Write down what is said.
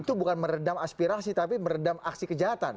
itu bukan meredam aspirasi tapi meredam aksi kejahatan